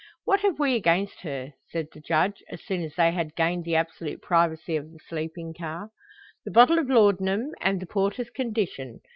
"What have we against her?" said the Judge, as soon as they had gained the absolute privacy of the sleeping car. "The bottle of laudanum and the porter's condition.